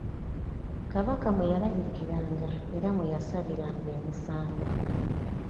Kabaka mwe yalabikiranga era mwe yasaliranga emisango.